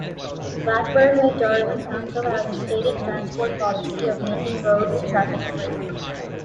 Blackburn with Darwen Council has a stated transport policy of "making roads traffic free".